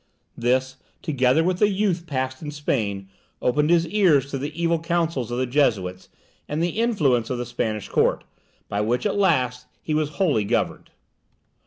This, together with a youth passed in Spain, opened his ears to the evil counsels of the Jesuits, and the influence of the Spanish court, by which at last he was wholly governed.